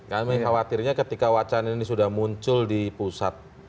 kami khawatirnya ketika wacana ini sudah muncul di pusat